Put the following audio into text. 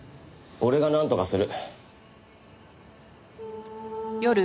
俺がなんとかする。